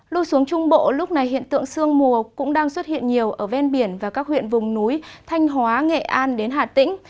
lui xuống trung bộ lúc này hiện tượng sương mù cũng đang xuất hiện nhiều ở ven biển và các huyện vùng núi thanh hóa nghệ an đến hà tĩnh